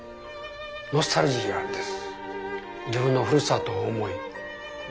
ノスタルジーがあるんです。